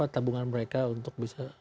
tabungan mereka untuk bisa